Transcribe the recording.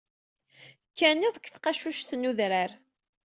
Kkan iḍ deg tqacuct n udrar.